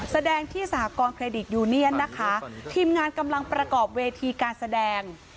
แสดงที่สหกรณเครดิตยูเนียนนะคะทีมงานกำลังประกอบเวทีการแสดง